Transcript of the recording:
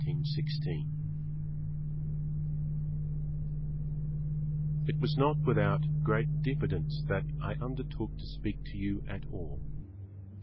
[Pg 11] SWADESHI It was not without great diffidence that I undertook to speak to you at all.